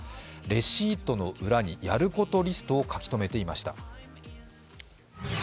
レシートの裏にやることリストを書きとめていました。